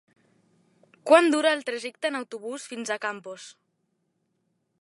Quant dura el trajecte en autobús fins a Campos?